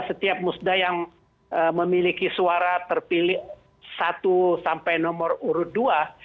setiap musda yang memiliki suara terpilih satu sampai nomor urut dua